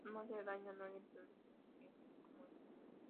No hacen daño a nadie pero los niños quieren ser como ellos.